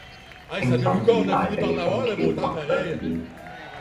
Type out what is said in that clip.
清爽義大利風蕎麥涼麵